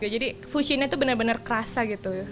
jadi fushinya tuh bener bener kerasa gitu